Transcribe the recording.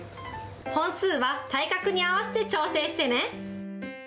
本数は体格に合わせて調整してね。